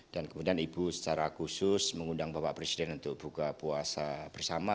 dan kemudian ibu secara khusus mengundang bapak presiden untuk buka puasa bersama